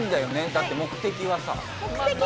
だって目的はさ。